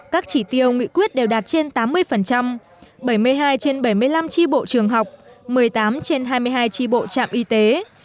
các chỉ tiêu nghị quyết đều đạt trên tám mươi bảy mươi hai trên bảy mươi năm tri bộ trường học một mươi tám trên hai mươi hai tri bộ trạm y tế